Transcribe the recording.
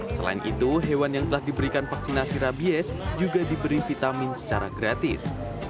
selain itu hewan yang telah diberikan vaksinasi rabies juga diberi vitamin secara gratis